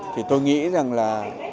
thì tôi nghĩ rằng là